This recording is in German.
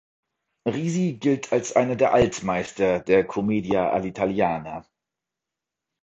Risi gilt als einer der Altmeister der "Commedia all’italiana".